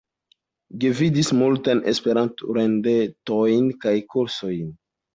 Gvidis multajn E-rondetojn kaj kursojn.